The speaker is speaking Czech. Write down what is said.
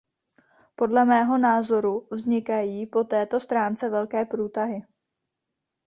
Podle mého názoru vznikají po této stránce velké průtahy.